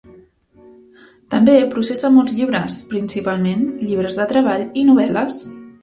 També processa molts llibres, principalment llibres de treball i novel·les.